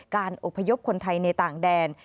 การอบพยพคนไทยในต่างแดน